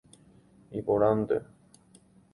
Iporãnte.